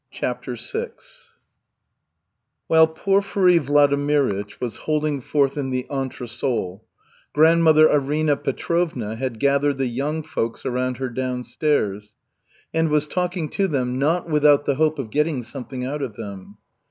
CHAPTER VI While Porfiry Vladimirych was holding forth in the entresol, grandmother Arina Petrovna had gathered the young folks around her downstairs, and was talking to them, not without the hope of getting something out of them.